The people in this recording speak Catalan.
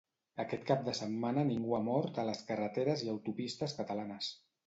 Aquest cap de setmana ningú ha mort a les carreteres i autopistes catalanes.